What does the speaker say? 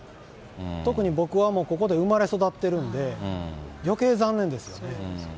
特に僕はもう、ここで生まれ育ってるんで、よけい残念です。